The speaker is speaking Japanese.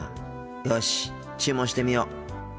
よし注文してみよう。